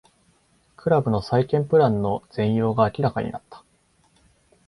クラブの再建プランの全容が明らかになった